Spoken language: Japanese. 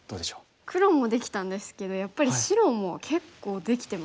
黒もできたんですけどやっぱり白も結構できてますよね。